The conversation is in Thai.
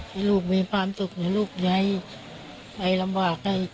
ให้ลูกมีความสุขให้ลูกให้ไปลำบาก